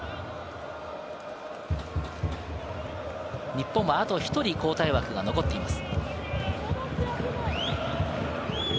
日本は、あと１人、交代枠が残っています。